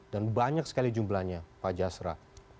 dan banyak sekali jumlahnya pak jastra